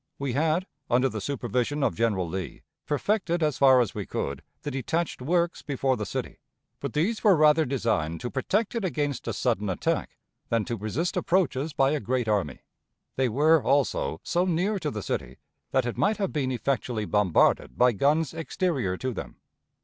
We had, under the supervision of General Lee, perfected as far as we could the detached works before the city, but these were rather designed to protect it against a sudden attack than to resist approaches by a great army. They were, also, so near to the city that it might have been effectually bombarded by guns exterior to them.